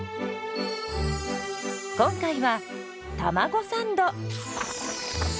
今回はたまごサンド。